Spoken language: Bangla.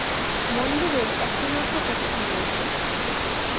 মন্দিরের একটি মাত্র কক্ষ রয়েছে।